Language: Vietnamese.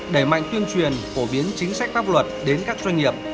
đẩy mạnh tuyên truyền phổ biến chính sách pháp luật đến các doanh nghiệp